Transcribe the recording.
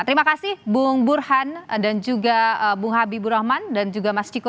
terima kasih bung burhan dan juga bung habibur rahman dan juga mas ciko